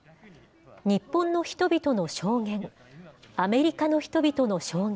日本の人々の証言。